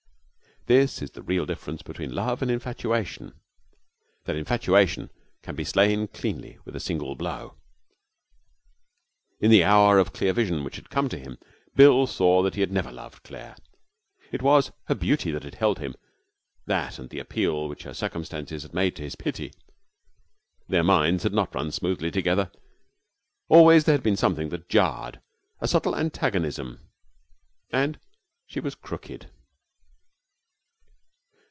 This is the real difference between love and infatuation, that infatuation can be slain cleanly with a single blow. In the hour of clear vision which had come to him, Bill saw that he had never loved Claire. It was her beauty that had held him, that and the appeal which her circumstances had made to his pity. Their minds had not run smoothly together. Always there had been something that jarred, a subtle antagonism. And she was crooked.